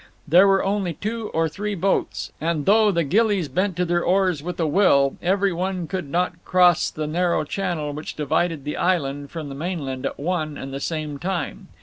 There were only two or three boats; and, though the ghillies bent to their oars with a will, every one could not cross the narrow channel which divided the island from the mainland at one and the same time.